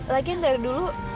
lagian dari dulu